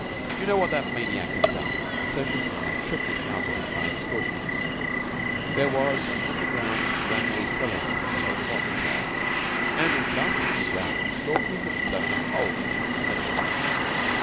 "Do you know what that maniac had done? Tertius and I shook it out of him by instalments. There was an underground granary cellar room below the watch tower, and in blasting the road Stalky had blown a hole into one side of it.